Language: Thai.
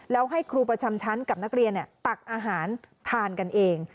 แล้วให้ครูประจำชั้นกับนักเรียนตักอาหารทานกันเอง